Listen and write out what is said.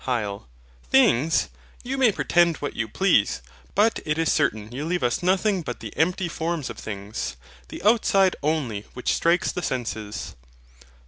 HYL. Things! You may pretend what you please; but it is certain you leave us nothing but the empty forms of things, the outside only which strikes the senses.